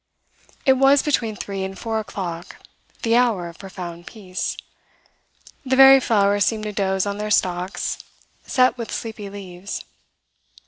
It was between three and four o'clock, the hour of profound peace. The very flowers seemed to doze on their stalks set with sleepy leaves.